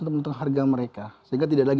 untuk menentukan harga mereka sehingga tidak lagi